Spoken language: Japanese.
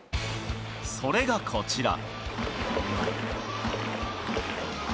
それがこちら。